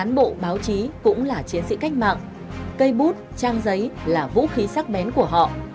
cán bộ báo chí cũng là chiến sĩ cách mạng cây bút trang giấy là vũ khí sắc bén của họ